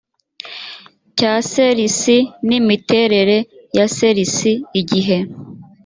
cya ser isi n imiterere ya ser isi igihe